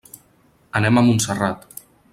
Anem a Montserrat.